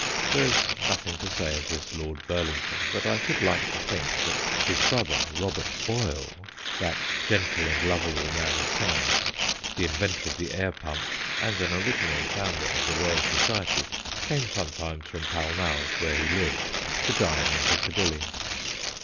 There is nothing to say of this Lord Burlington, but I should like to think that his brother Robert Boyle, that gentle and lovable man of science, the in ventor of the air pump and an original founder of the Royal Society, came some times from Pall Mall, where he lived, to dine in Piccadilly.